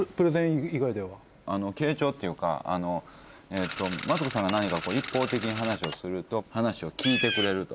傾聴っていうかマツコさんが何か一方的に話をすると話を聞いてくれると。